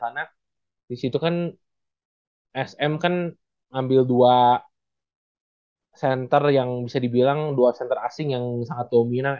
karena di situ kan sm kan ambil dua center yang bisa dibilang dua center asing yang sangat dominan